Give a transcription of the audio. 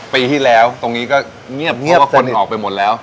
ปีที่แล้วตรงนี้ก็เงียบว่าคนออกไปหมดแล้ว